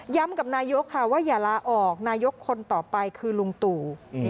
กับนายกค่ะว่าอย่าลาออกนายกคนต่อไปคือลุงตู่